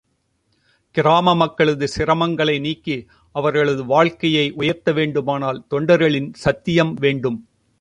கிராம மக்களது கஷ்டங்களை நீக்கி, அவர்களது வாழ்க்கையை உயர்த்த வேண்டுமானால், தொண்டர்களிடம் சத்தியம் வேண்டும்.